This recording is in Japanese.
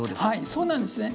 そうなんですね。